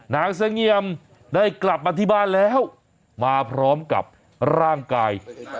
นางเสงี่ยมได้กลับมาที่บ้านแล้วมาพร้อมกับร่างกาย